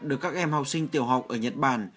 được các em học sinh tiểu học ở nhật bản